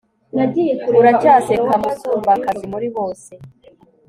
uracyaseka musumbakazi muri bose